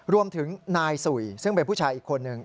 รวมถึงนายสุยซึ่งเป็นผู้ชายอีกคนนึง